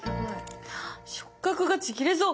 触角がちぎれそう！